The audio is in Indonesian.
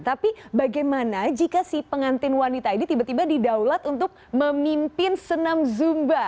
tapi bagaimana jika si pengantin wanita ini tiba tiba didaulat untuk memimpin senam zumba